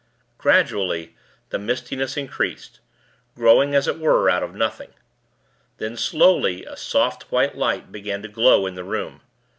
Gradually, the mistiness increased; growing, as it were, out of nothing. Then, slowly, a soft, white light began to glow in the room.